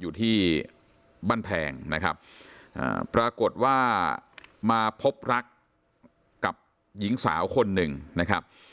อยู่ที่บ้านแพงนะครับปรากฏว่ามาพบรักกับหญิงสาวคนหนึ่งนะครับ